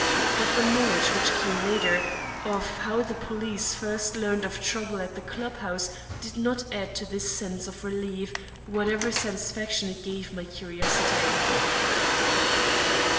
But the knowledge which came later, of how the police first learned of trouble at the club house did not add to this sense of relief, whatever satisfaction it gave my curiosity.